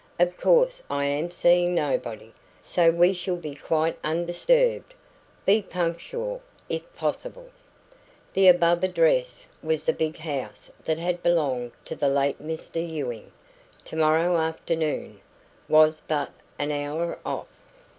Of course I am seeing nobody, so we shall be quite undisturbed. Be punctual, if possible." The "above address" was the big house that had belonged to the late Mr Ewing. "Tomorrow afternoon" was but an hour off.